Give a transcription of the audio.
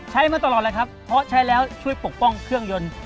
มาตลอดเลยครับเพราะใช้แล้วช่วยปกป้องเครื่องยนต์